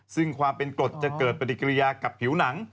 ซึ่งความเป็นกรดจะเกิดปฏิกิริยากับผิวหนัง